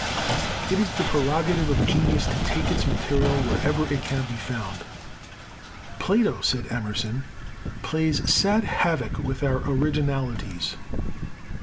It is the prerogative of genius to take its material wherever it can be found. "Plato," said Emerson, "plays sad havoc with our originalities."